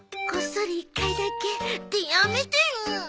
こっそり１回だけ。ってやめてよ！